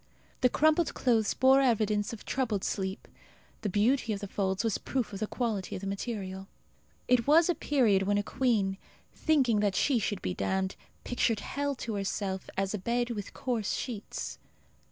The crumpled clothes bore evidence of troubled sleep. The beauty of the folds was proof of the quality of the material. It was a period when a queen, thinking that she should be damned, pictured hell to herself as a bed with coarse sheets.